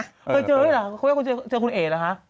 เคยเจอหรือเคยเจอคุณเอกหรือคะ